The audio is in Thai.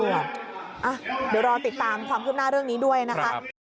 เดี๋ยวรอติดตามความคืบหน้าเรื่องนี้ด้วยนะคะ